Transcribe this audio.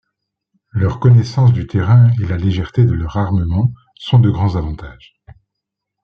Leur connaissance du terrain et la légèreté de leur armement sont de grands avantages.